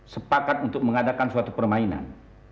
sepakat untuk mengadakan suatu permainan